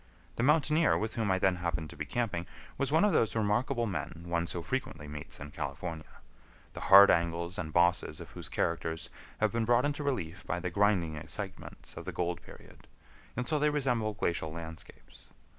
The mountaineer with whom I then happened to be camping was one of those remarkable men one so frequently meets in California, the hard angles and bosses of whose characters have been brought into relief by the grinding excitements of the gold period, until they resemble glacial landscapes.